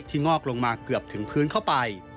งอกลงมาเกือบถึงพื้นเข้าไป